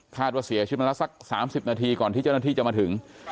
คาดว่าเสียชีวิตมาละสักสามสิบนาทีก่อนที่เจ้าหน้าที่จะมาถึง